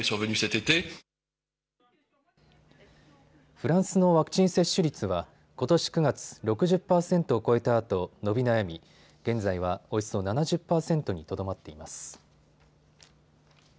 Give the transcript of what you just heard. フランスのワクチン接種率はことし９月、６０％を超えたあと伸び悩み現在はおよそ７０％にとどまっています。